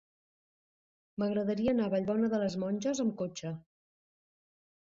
M'agradaria anar a Vallbona de les Monges amb cotxe.